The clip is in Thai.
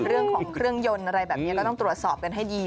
เรื่องของเครื่องยนต์อะไรแบบนี้ก็ต้องตรวจสอบกันให้ดี